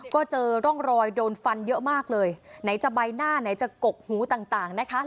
ก็เจอร่องรอยโดนฟันเยอะมากเลยไหนจะใบหน้าไหนจะกกหูต่างนะคะ